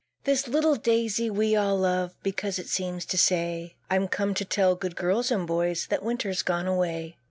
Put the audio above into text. This little Daisy we all love, Because it seems to say, "I'm come to tell good girls and boys, That Winter's gone away."